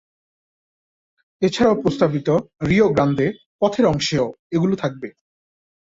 এছাড়াও প্রস্তাবিত Rio Grande পথের অংশেও এগুলো থাকবে।